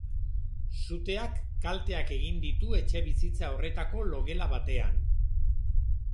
Suteak kalteak egin ditu etxebizitza horretako logela batean.